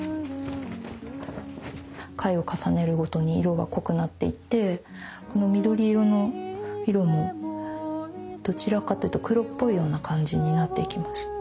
回を重ねるごとに色は濃くなっていってこの緑色の色もどちらかというと黒っぽいような感じになっていきます。